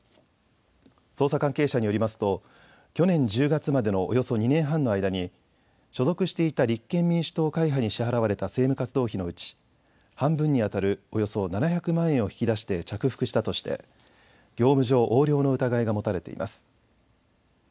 捜査関係者によりますと去年１０月までのおよそ２年半の間に所属していた立憲民主党会派に支払われた政務活動費のうち、半分にあたるおよそ７００万円を引き出して着服したとして業務上横領の疑いが持たれています。